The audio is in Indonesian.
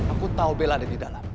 aku tau bella ada didalam